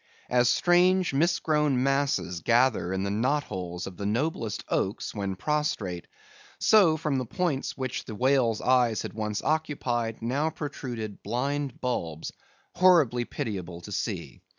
As strange misgrown masses gather in the knot holes of the noblest oaks when prostrate, so from the points which the whale's eyes had once occupied, now protruded blind bulbs, horribly pitiable to see.